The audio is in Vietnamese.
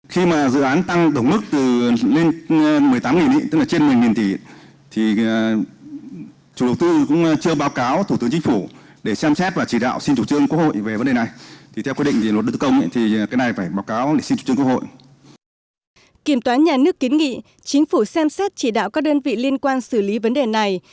kiểm toán nhà nước kiến nghị chính phủ xem xét chỉ đạo các đơn vị liên quan xử lý vấn đề này